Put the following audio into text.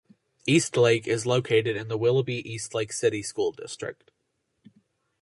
Eastlake is located in the Willoughby-Eastlake City School District.